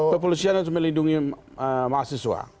kepolisian harus melindungi mahasiswa